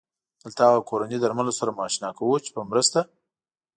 دلته هغه کورني درملو سره مو اشنا کوو چې په مرسته